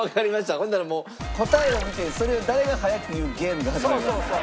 ほんならもう答えを見てそれを誰が早く言うゲームが始まります。